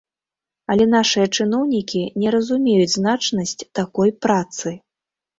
Але нашыя чыноўнікі не разумеюць значнасць такой працы.